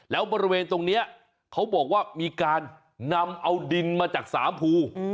แล้วบริเวณตรงนี้เขาบอกว่ามีการนำเอาดินมาจากสามภู